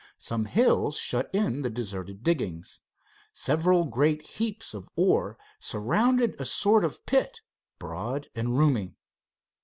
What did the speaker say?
Some hills shut in the deserted diggings. Several great heaps of ore surrounded a sort of pit, broad and roomy.